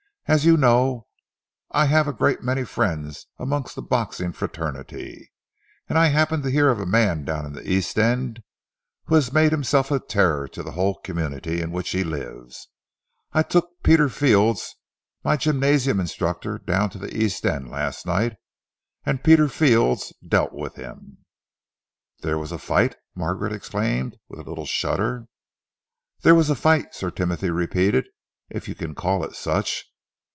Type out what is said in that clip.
As you know, I have a great many friends amongst the boxing fraternity, and I happened to hear of a man down in the East End who has made himself a terror to the whole community in which he lives. I took Peter Fields, my gymnasium instructor, down to the East End last night, and Peter Fields dealt with him." "There was a fight?" Margaret exclaimed, with a little shudder. "There was a fight," Sir Timothy repeated, "if you can call it such.